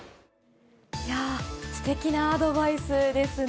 すてきなアドバイスですね。